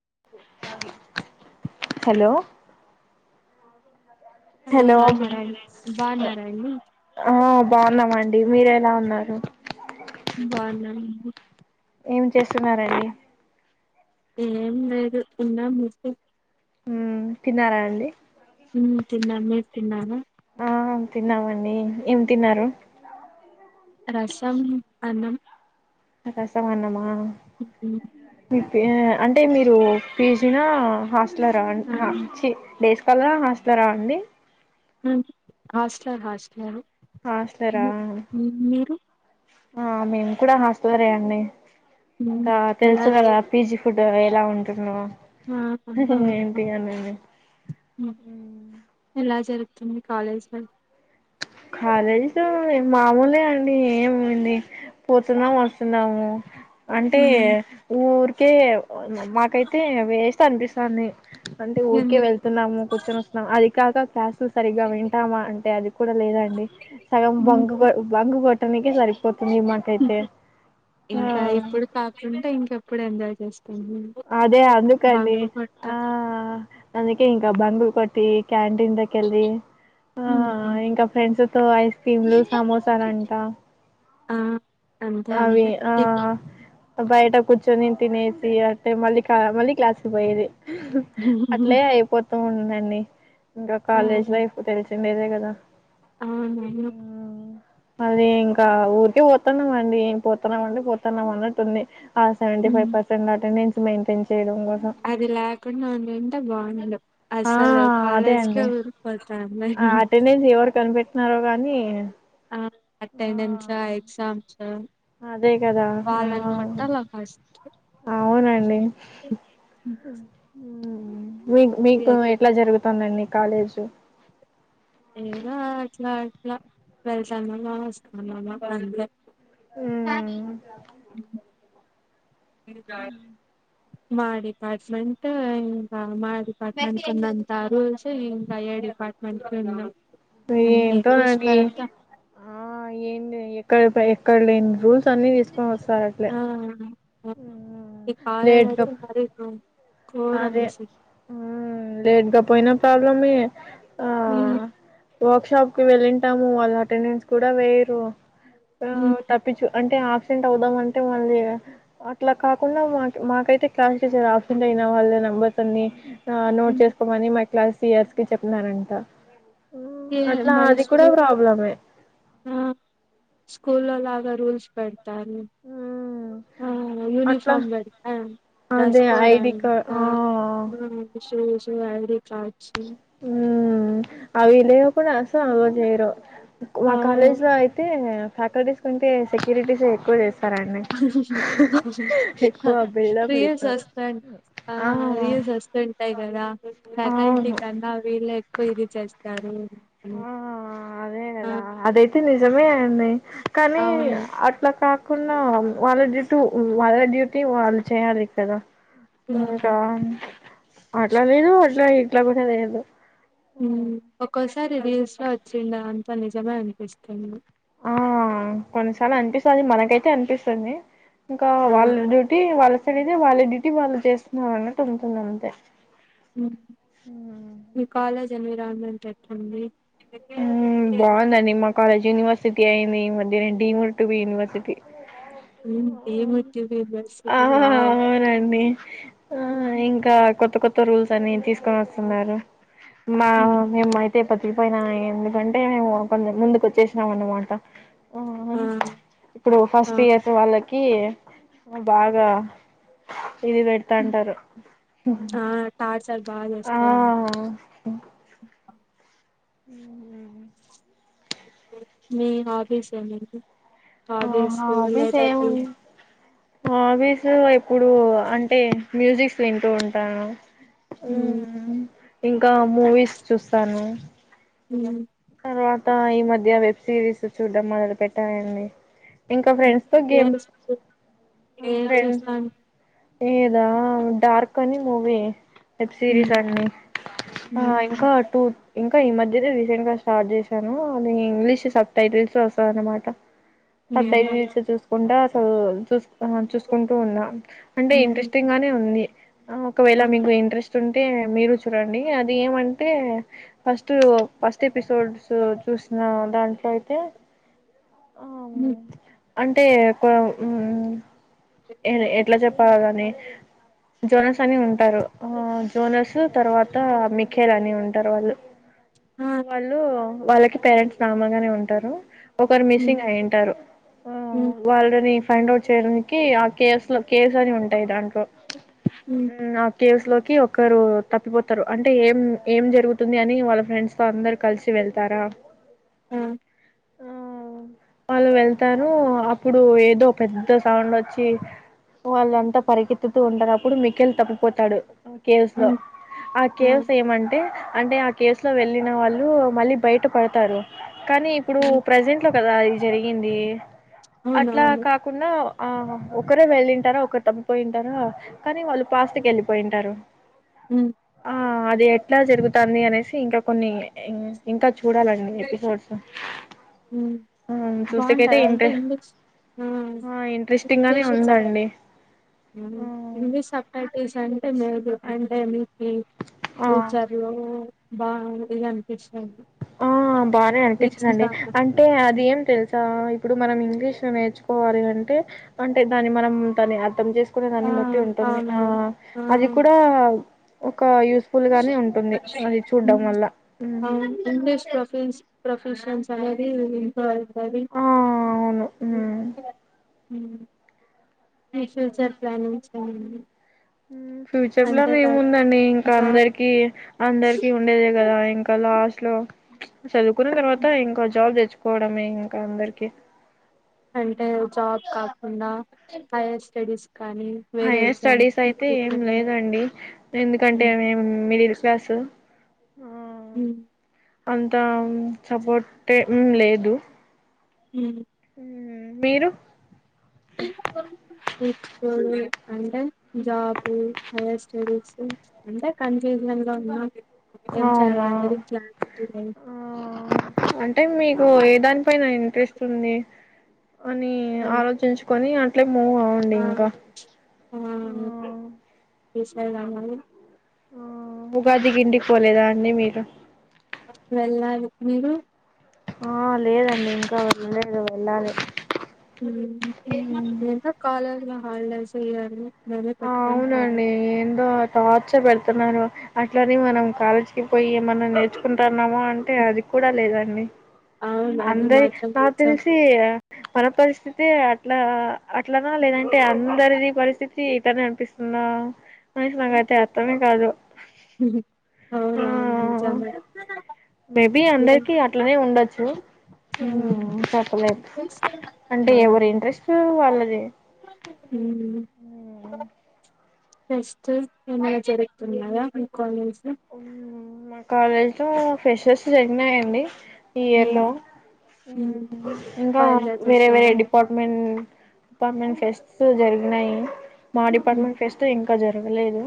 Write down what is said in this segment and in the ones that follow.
అ hello hello బాగున్నారా అండి బాగున్నారా అండి ఆ బాగున్నామ ండి మీరేలా ఉన్నారు బావున్నా ఏం చేస్తున్నరండి ఏం లేదు ఉన్నా ము ఉమ్ తిన్నారాండి తిన్నాం మీరు తిన్నారా ఆ తిన్నామండి ఏం తిన్నారు రసం అన్నం రసమన్నమా ఉహు తే అంటే మీరు పిజి నా హాస్ ట్లార ఆ అహ చీ డేస్ కలరా హాస్టారా అండి హాస్టల్ హాస్టలోని హాస్టలరా మీ మీ మీరు ఆ మేము కూడా హాస్ట్లరేయండి ఇంకా ఎలా తెలుసు కదా పీజీ ప్పుడు నువ్వు ఎలా ఉంటున్నావ్ [unintelligible] ఎలా జరు ట్లుంది కాలేజు కాలేజీతో మామూలే అండి ఏమిండి పోతున్నాం వస్తున్నాము అంటే ఊరు కే మ మాకైతే వేస్ట్ అనిపిస్తంది అంటే ఊరికే వెళ్తున్నాము కూర్చొని వస్తున్నాము అది కాక క్లాసులు సరిగ్గా వింటామా అంటే అది కూడా లేదం డి సగం బంగు బంగు అనికి సరిపో ఇంకా ఇప్పుడు కాకుండా ఇంకెప్పుడు ఎంజాయి చేసే అదే అందుకండి కొట్ట ఆ నా దగ్గర బంక్ కొట్టి క్యాంటీన్ లో కెళ్ళి ఆ ఇంకా ఫ్రెండ్స్ తో ఐస్ క్రీమ్ లు సమోసాలు అంట ఆ అంతే అవి అంతే ఆ బయట కూర్చొని తినేసి అంటే మళ్ళీ మళ్ళీ క్లాస్ కి పోయేది అట్లే అయిపోతూ అన్నీ ఇంకా కాలేజ్ లైఫ్ తెలుసు ఉండేదే కదా ఆ నేను అదే ఇంకా ఊరికే పోతాన్నా మరి ఏం పోతున్నాం అంటే పోతున్నాం అన్నట్టు ఉంది ఆ seventy five hmm percent attendance maintain చేయడం కోసం అది లేకుండా నను తంటే బాగునే ఎందు ఆ అసలు అదే కాలేజ్ కే అండి ఊరుకి పోతా న్నారో గానీ ఆ అటెండెన్స్ ఆ ఎగ్జామ్ చా అదే కదా ఆ అవునండి ఉమ్ ఉమ్ మీ మీకు ఎట్లా జరుగు తానండి కాలేజు ఏద అట్లా లా వెళ్తామ్మా వస్తానాన్న ఇంకా మా డిపార్ట్మెంట్ ఇంకా మా డిపార్ట్మెంట్ కిందంత రూల్స్ ఇంకా ఏ డిపార్ట్మెంట్ కి ఉండవు అన్ని ఎంటో రూల్స్ అం [unintelligible] పెడతా ఆ ఏంటి ఎక్కడ ఎక్కడ లేని రూల్స్ అన్ని తీసుకొని వస్ చట్లే ఇ కార మర అదే మ్ లేట్ గా పోయినా ప్రాబ్లమే మ్ వర్క్షాప్ కి వెళ్ళింటాము వాళ్ళ అటెండెన్స్ కూడా వేయరు ఆ తప్పించు అంటే ఆ సెంట్ అవదం అంటే మళ్ళీ అట్లా కాకుండా మా మాకైతే క్లాస్ టీచర్సె అ నా వాళ్ళే నంబర్ అన్ని నోట్ చేసుకోమని మ క్లాస్ ఇయర్స్ కి చెప్నారంట ఏ మై స్కూల్ అ స్కూల్ లో లాగా రూల్స్ పేడ్ అ హ్మ్. అట్లా యూనిఫార్మ్ బడి డ్రెస్ అదే కోడ్ ఐడీ కా అంతా ఆ! సుష్ ఐడి కా చె అలేయో కూడా అసం అ చేయడం మా అవును కాలేజ్ లో అయితే ఫ్యాకల్టీస్ కొంటే సెక్యూరిటీస్ ఎక్కువ చేస్ స్తారండి ఎక్కువ బిల్డప్లు రియల్స్ ఇస్తారు వస్తాంట టైగార ఫ్యాకల్టీ కన్నా వీళ్ళ ఎక్కువ ఇది చేస్త కారు ఆ అదేనదా అదైతే ని జమే ఆయనే కానీ అవును అట్లా కా కున్న వాళ్ళ డ్యూటీ వాళ్ళ డ్యూటీ వాళ్ళు చేయ్యాలి కదా హ్మ్. ఇంకా అట్లా లేదు అట్లా ఇట్లా కూడా లేదు ఒక సరే రీల్స్లో వచ్చిండ అంత నిజమే అనిపిస్తుంది ఆ కొన్నిసార్లు అనిపిస్తుంది మనకైతే అనిపిస్తుంది ఇంకా ఆ వాళ్ళ డ్యూటీ వాళ్ళ అక్కడయితే వాళ్ళ డ్యూటీ వాళ్ళు చేస్తున్నారు అన్నట్టు ఉంటుంది అంతే కాలేజ్ ట్రిప్ ఉంది [unintelligible] అ కాలజ్ యనివర్సిటీ అయింది ఇ మధ్యను డిమోట్ యూనివర్సిటీ ఉమ్ ఆ యూనివర్సిటీ వావ్ అవునండి ఆ ఇంకా కొత్త కొత్త రూల్స్ అని తీసుకొని వస్తున్నారు మా హ్మ్. నిమ్యి అ పతికిపోయినా ఎందుకంటే మేము కొ ముందుకు వచ్చేసినాం అనమాట ఆ ఇప్పుడు ఆ ఫస్ట్ ఇయర్ వాళ్ళకి కి బాగా ఇది పెడతా హ్మ్. అంటారు అ ఉ మీ హాబీస్ అండి ఆ హాబీస్ హాబీస్ లేదా ఏముంది హాబీస్ ఎప్పుడు అంటే మ్యూజిక్స్ తింటూ ఉంటాను హ ఉమ్ ఇంకా మూవీస్ చూస్తాను ఉ తర్వాత ఈ మధ్య వెబ్ సిరీస్ చూడ్డం మదలు పెట్టయండి ఇంకా హ్మ్ ఫ్రెండ్స్ తో గేమ్ ఏది ఏది ఫం చూస్తా ఉంటారు? ఏదా డార్క్ అని మూవీ వెబ్ హ్మ్ సిరీస్ అన్ని ఆ హ్మ్ ఇంకా టూ ఇంకా ఈ మధ్యే రీసెంట్ గా స్టార్ట్ చేశాను అది ఇంగ్లీష్ సబ్ టైటిల్స్ వస్తాంది అనమాట ఆ హ్మ్ టైటిల్స్ చూస్తా కుండా అసలు చూస్ చూసుకుంటూ ఉన్నా అంటే హ్మ్ ఇంట్రెస్టింగ్ గానే ఉంది ఒకవేళ ఆ మీకు ఇంట్రెస్ట్ ఉన్ టే మీరు చూడండి అది ఏమంటే ఫస్ట్ ఫస్ట్ ఎపి ఎపిసోడ్స్ చూసిన దాంట్లో అయితే హ్మ్మ్ అంటే కొ హ్మ్మ్ ఎ ఎట్లా చెప్పాలా దాని అ జోనస్ అని ఉంటారు హా జోనస్ తర్వాత మిఖేల్ అని ఉంటారు వాళ్ళు. ఆ హ్మ్మ్ వాళ్ళు వాళ్ళకి పేరెంట్స్ నార్మల్ గానే ఉంటారు ఒకరు హ్మ్ మిస్సింగ్ అయింటారు హ్మ్మ్ హ్మ్ వాళ్ళని ఫైండ్ ఔట్ చేయడానికి కి ఆ కేసు లో కేసు అని ఉంటాయి దాంట్లో హ్మ్ హ్మ్మ్ కేవ్స్ లోకి ఒక్కరు తప్పిపోతారు అంటే ఏం ఏం జరుగుతుంది అని వాళ్ళ ఫ్రెండ్స్ తో అందరు కలిసి వెళ్తారా. ఆ ఆ వాళ్ళు వెళ్తారు అప్పుడు ఏదో పెద్ద సౌండ్ వ వచ్చి వాళ్ళంతా పరిగెత్తుతూ ఉంటారుప్పుడు మికేల్ తప్పిపోతాడు కేవ్స్ లో హ్మ్ ఆ కేవ్స్ ఏమంటే అంటే ఆ కేసులో వెళ్ళిన వాళ్ళు మళ్ళీ బయట పడతారు కానీ ఇప్పుడు ఆ ప్రజెంట్ లో కదా అది జరిగింది అట్లా అవునవును కాకుండా ఆహా ఒకరే వెళ్ళింటారూ ఒకరు తబిపోయింటారా కానీ వాళ్ళు పాస్ట్ గా వెళ్ళిపోయింటారు హ్మ్మ్ ఆ అది ఎట్లా జరుగుతాంది అనేసి ఇంకా కొన్ని ఇంకా చూడాలండి ఎపిసోడ్స్ హ్మ్ హ్మ్మ్ చూస్తేకైతే బావుంటదా అంటే ఇంటె ఇంగ్లీష్ ఆ హా ఇంట్రెస్ట్ గానే ఇంగ్లీష్ వచ్చ ఉందండి ఇంగ్లీష్ స్ అంటే మేరు అంటే మీకి ఆ ఫ్యూచర్ లో బాగుంది అనిపించింది ఆ బాగానే అనిపించిందండి అంటే అది ఏం తెలుసా ఇప్పుడు మనం ఇంగ్లీష్ నేర్చుకోవాలి అంటే అంటే దాన్ని మనం దాన్ని అర్థం చేస్ తీసుకునే ఆ దాన్ని బట్టి ఉంటుంది ఆ అవునవును ఆ అది కూడా ఒక యూస్ఫుల్ గానే ఉంటుంది అది చూడ్డం వల్ల హ్మ్మ్. పిస్ ప్రొఫెషన్సనేది ఇంట్లో అయ్తాది. ఆ అవును హ్మ్ ఊమ్. ఫ్యూచర్ సెట్ ప్లానింగ్సేమన్న. ఊమ్. ఫ్యూచర్ ప్లానేముందండి ఇంక జాబ్ అందర్కీ అందర్కీ ఉండేదే గదా ఇంక లాస్ట్ లొ. చదువ్కున్న తర్వాత హ్మ్. ఇంకో జాబ్ దెచ్చు. కోడమే ఇంక అందర్కి. అంటే జాబ్ కాక్ కుండా హైయ్యర్ స్టడీస్ కానీ వేరే హైయ్యర్ ఎగ్జామ్ స్టడీసైతే ఇప్పుడు ఏం లేదండి ఎందుకంటేే మేమ్ మీర్ వ్యాసు ఓ. ఉమ్. అంత సపోట్ట్ ఏం లేదు. హుమ్. మ్ మీరు. [unintelligible] అంటె జాబు హైయ్యర్ స్టడీసు అంటె కన్ఫ్యూజనల్గ ఉన్నా. ఏమ్ చెయ్యాల అవునా అనేది ప్లాన్. [unintelligible] టె మీకు ఏదాన్ పైన ఇంట్రెస్టుంది. అని అండ్ ఆలోచించ్కొని అన్ మూ ఔండి ఆ ఇంక ఆ. ఇన్ష్టాగ్రాము అవి. ఓ ఉగాదిగింటిక్పోలేదా అండి మీరు. వెళ్ళాలి మీరు. ఆ లేదండి ఇంకా వెళ్ళలేదు వెళ్ళాలి. ఊమ్ ఉ ఏందో కాలేజ్ర. Holidays yearly. ఔనండి ఏందో. టార్చర్ బెడ్తున్నారు అట్లనే మనం కాలేజ్కి పొయ్ ఏమన్నా నేర్చుకుంటా. నమా అంటే అది కూడా లేదు అండి అవును అది అందరి మాత్రం నాక్ నిజం తెల్సి మన పరిస్థి తే అట్లా అట్లనా లేదంటే అందర్ది పరిస్థి తి ఇతనే అన్పిస్తుందా. [unintelligible] నాకైతే అర్థమే కాదు. ఉహు ఆ! అవును అవును నిజంగా మేబీ విలన్ అందరికీ అట్లనే ఉండొచ్చు. అవునా హ్మ్. చెప్పలేం. అంటే ఎవరి ఇంట్రెస్ట్ వాళ్ళది. ఉహు హ్మ్. ఫెస్ట్ ఏమైనా జరుగుతున్నాయ మీ కాలేజ్ లో మా కాలేజ్ లో ఫ్రెషర్స్ జరిగినాయండి ఈయర్ ఉమ్. లో ఇంకా బాగా ఎంజాయ్ వేరే వేరే చేసినారా డిపార్ట్మెంట్ డిపార్ట్ట్మెంట్ ఫెస్ట్స్ జరిగినాయి మా ఉమ్, డిపార్ట్మెంట్ ఫెస్ట్ ఇంక ఇంకా జరగలేదు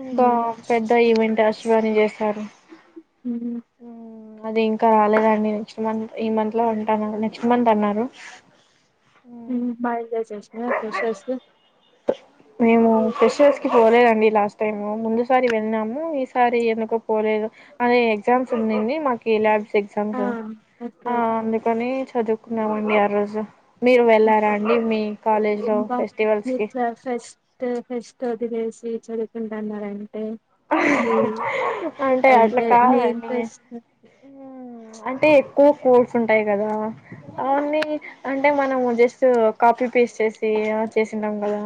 ఇంకా ఉమ్, పెద్ద ఇవెన్ చూవని చేస్తరు [inaudible] అది ఇంకా రాలేదండి నెక్స్ట్ మంత్ ఈ మంత్ లో ఉంటాను నెక్స్ట్ మంత్ అన్నారు బాయల్ దే సెన్స్ నా ఫ్రెషర్సు మేము ఫెషర్స్ కి పోలేదండి లాస్ట్ టైమ్ ముందుసారి వెల్లినాము ఈసారి ఎందుకో పోలేదు అధే ఎగ్జామ్స్ ఉందింది మాకు ల్యాబ్ ఆ ఎగ్జామ్స్ ఓకే ఆ ఓకే అందుకని చదువు కున్నా మండి ఆ రోజు మీరు ఉమ్, వెళ్ళారా అండి మీ కాలేజ్ లో ఫెస్టివల్స్ కి టు ఫెస్ట్ వదిలేసి చదువుకుంటాన్నరంటే అంటే అట్లా మీ కాదండి ఇంట్రెస్ట్ ఉమ్ అంటే కో కోడ్స్ ఉంటాయి కదా అవన్నీ అంటే మనము జస్ట్ కాపీ పేస్ట్ చేసి చేసింటాం కదా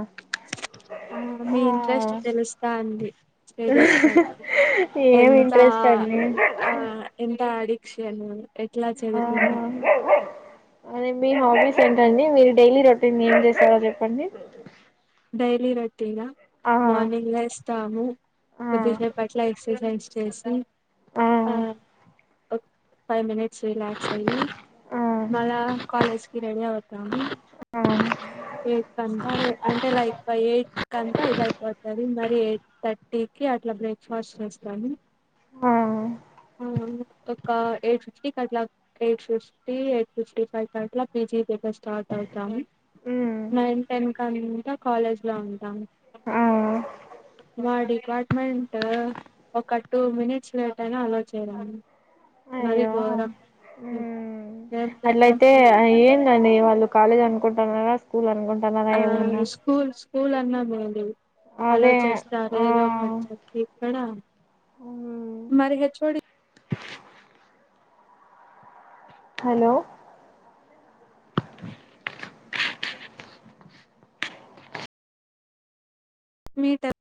ఆ మీ ఇంట్రెస్ట్ ఆ తెలుస్తంది స్టడీస్ పై ఏం ఎంత ఇంట్రెస్ట్ అండి ఆ ఎంత అడిక్ క్షను ఆ అదే మీ హాబీస్ ఏంటండి మీరు డైలీ రొటీన్ ఏం చేస్తారో చెప్పండి డైలీ రో టీనా ఆ మార్నింగ్ లెస్తము ఆ కొద్దిసేపట్ల ఎక్ససైజ్ చేసి ఆ ఒకా ఫైవ్ మినిట్ రీలక్స్ అయి ఆ మల్ల కాలేజికి రెడి అవతము ఆ ఎయిట్ కాంత అంటే లైక్ ఎయిట్ కి అంతా ఇది ఇయిపోతధి మరి ఎయిట్ థర్టీకి అట్లా బ్రేక్ఫాస్ట్ చేస్తాను ఆ ఒక ఎయిట్ ఫిఫ్టీ కి అట్లా eight fifty eight fifty five కి అట్లా పీజీ దగర స్టార్ట్ అవుతాము ఉమ్ నైన్ టెన్ కాంత కాలేజ్ లో ఉంటాం ఆ మా డిపార్ట్మెంట్ ఒక టూ మినిట్స్ లేట్ అయినా అలో మరి గోరం అట్లాతే ఎంది అండీ వాళ్ళకు కాలేజ్ అనుకుంటన్నారా స్కూల్ అనుకు ఆ స్కూల్ స్కూల్ అన్న బగుండేధి అల్లో అదే చేస్తారు ఆ ఏదో ఒకటి చెప్పి ఇక్కడ ఉమ్ మరిగా చూడి హలో మీటర్